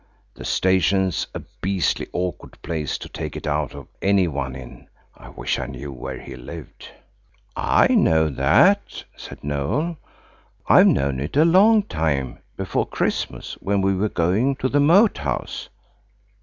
The station's a beastly awkward place to take it out of any one in. I wish I knew where he lived." "I know that," said Noël. "I've known it a long time–before Christmas, when we were going to the Moat House."